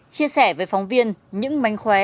chia sẻ với phóng viên những manh khóe